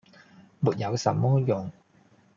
“沒有什麼用。”